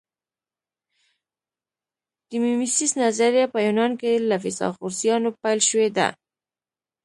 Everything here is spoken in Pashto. د میمیسیس نظریه په یونان کې له فیثاغورثیانو پیل شوې ده